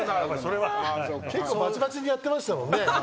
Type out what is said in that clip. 結構ばちばちにやってましたもんね。